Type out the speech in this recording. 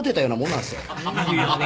いるよね